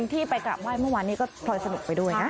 ที่ไปกลับไห้เมื่อวานนี้ก็พลอยสนุกไปด้วยนะ